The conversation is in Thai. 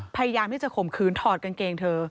พยายามที่จะข่มขืนถอดกางเกงเธอ